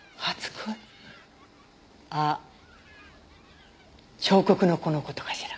あっ彫刻の子の事かしら？